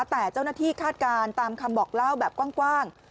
แต่เจ้าหน้าที่คาดการณ์ตามคำบอกเล่าแบบกว้าง